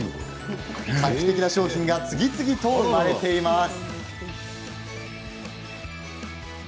画期的な商品が次々と生まれています。